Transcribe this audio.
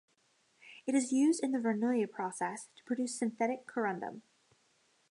It is used in the Verneuil process to produce synthetic corundum.